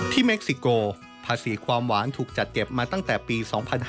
เม็กซิโกภาษีความหวานถูกจัดเก็บมาตั้งแต่ปี๒๕๕๙